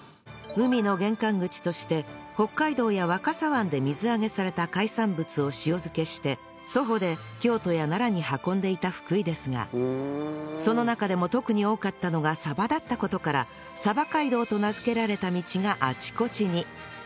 海の玄関口として北海道や若狭湾で水揚げされた海産物を塩漬けして徒歩で京都や奈良に運んでいた福井ですがその中でも特に多かったのが鯖だった事から鯖街道と名付けられた道があちこちに